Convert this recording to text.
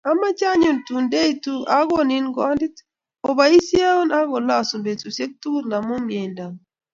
Amache anyun tun ndoetu akonin kondit, oboisieun ak olosun betusiek tugul amu mieindongung